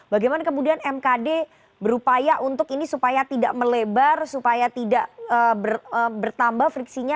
bagaimana kemudian mkd berupaya untuk ini supaya tidak melebar supaya tidak bertambah friksinya